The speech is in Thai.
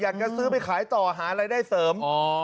อยากจะซื้อไปขายต่อหารายได้เสริม